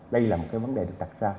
đây là một cái vấn đề được đặt ra